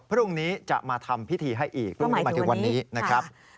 พรุ่งนี้จะมาทำพิธีให้อีกพรุ่งนี้มาถึงวันนี้นะครับ